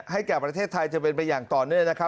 แก่ประเทศไทยจะเป็นไปอย่างต่อเนื่องนะครับ